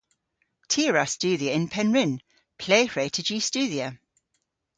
Ty a wra studhya yn Pennrynn. Ple hwre'ta jy studhya?